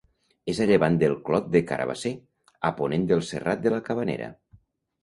És a llevant del Clot de Carabasser, a ponent del Serrat de la Cabanera.